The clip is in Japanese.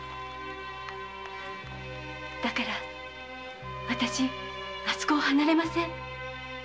だから私あそこを離れません。